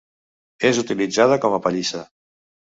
És utilitzada com a pallissa.